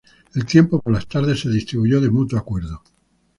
El tiempo por las tardes se distribuyó de mutuo acuerdo.